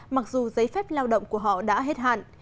mặc dù giấy phép lao động của họ không được phát triển